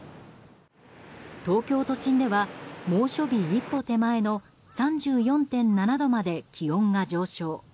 東京都心では猛暑日一歩手前の３４．７度まで気温が上昇。